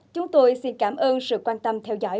chúng tôi xin cảm ơn sự quan tâm theo dõi